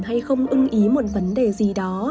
hay không ưng ý một vấn đề gì đó